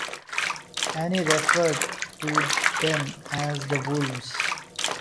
Annie referred to them as "the wolves".